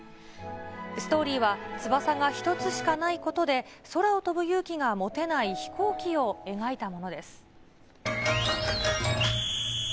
ストーリーは、翼が一つしかないことで、空を飛ぶ勇気が持てない飛行機を描いたものです。